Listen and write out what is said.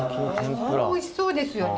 おいしそうですよね。